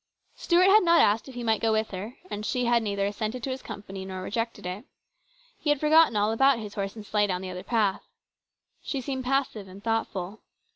Stuart had not asked if he might go with her, and she had neither assented to his company nor rejected it. He had forgotten all about his horse and sleigh down the other path. She seemed passive and thoughtful.